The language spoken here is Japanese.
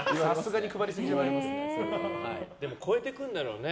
でも、超えてくるんだろうね